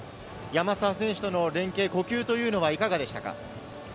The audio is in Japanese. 山沢選手との連携、呼吸はいかがでしたか？